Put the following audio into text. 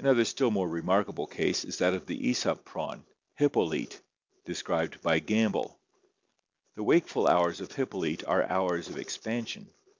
Another still more remarkable case is that of the aesop prawn, Hippolyte, described by Gamble: "The wakeful hours of Hippolyte are hours of expansion.